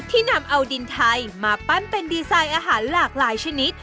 นำเอาดินไทยมาปั้นเป็นดีไซน์อาหารหลากหลายชนิด